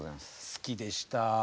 好きでした。